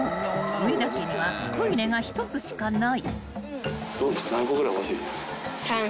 上田家にはトイレが１つしかない］